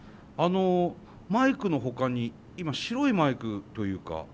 マイクのほかに今白いマイクというか。